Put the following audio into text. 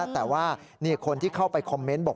แต่ว่ามีคนที่เข้าไปคอมเมนต์บอก